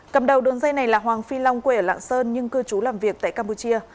cầm đầu đường dây này là hoàng phi long quê ở lạng sơn nhưng cư trú làm việc tại campuchia